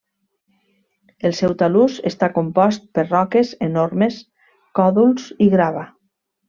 El seu talús està compost per roques enormes, còdols i grava.